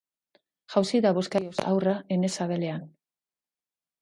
Jauzi da bozkarioz haurra ene sabelean.